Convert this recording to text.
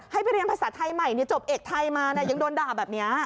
ให้ไปเรียนภาษาไทยใหม่จบเอกไทยมายังโดนด่าแบบนี้